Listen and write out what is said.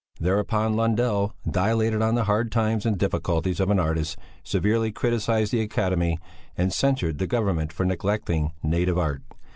Thereupon Lundell dilated on the hard times and difficulties of an artist, severely criticized the Academy, and censured the Government for neglecting native art.